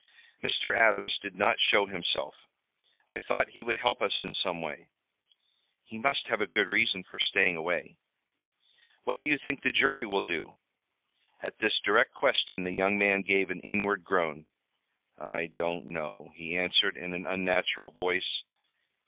"Mr. Adams did not show himself. I thought he would help us in some way." "He must have a good reason for staying away." "What do you think the jury will do?" At this direct question, the young man gave an inward groan. "I don't know," he answered in an unnatural voice.